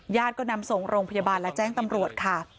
ก็นำส่งโรงพยาบาลและแจ้งตำรวจค่ะ